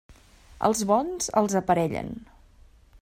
Als bons els aparellen.